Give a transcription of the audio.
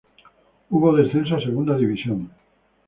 Hubo descenso a Segunda División.